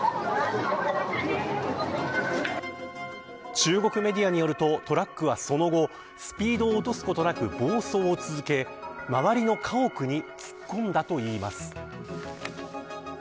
中国メディアによるとトラックはその後スピードを落とすことなく暴走を続け周りの家屋に突っ込んだといいます。